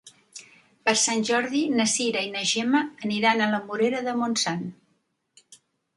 Per Sant Jordi na Cira i na Gemma aniran a la Morera de Montsant.